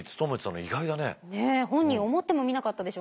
え本人思ってもみなかったでしょうね。